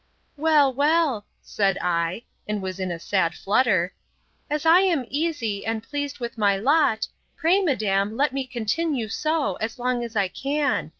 —Well, well, said I, (and was in a sad flutter,) as I am easy, and pleased with my lot, pray, madam, let me continue so, as long as I can.